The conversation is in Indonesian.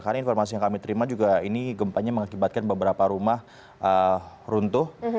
karena informasi yang kami terima juga ini gempanya mengakibatkan beberapa rumah runtuh